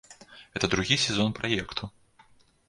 Гэта другі сезон праекту.